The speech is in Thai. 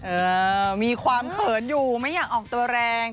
เออมีความเขินอยู่ไม่อยากออกตัวแรง